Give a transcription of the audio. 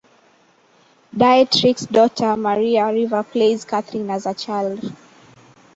Dietrich's daughter Maria Riva plays Catherine as a child.